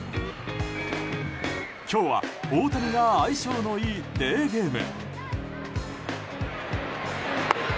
今日は大谷が相性のいいデーゲーム。